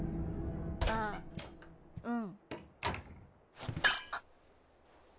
あっうん。